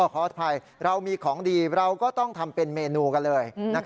ขออภัยเรามีของดีเราก็ต้องทำเป็นเมนูกันเลย